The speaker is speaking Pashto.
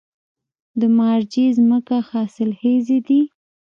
د مارجې ځمکې حاصلخیزه دي